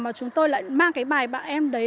mà chúng tôi lại mang cái bài bạn em đấy